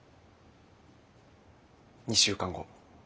２週間後